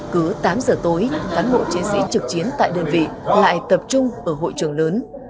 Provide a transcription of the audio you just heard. cứ tám giờ tối cán bộ chiến sĩ trực chiến tại đơn vị lại tập trung ở hội trường lớn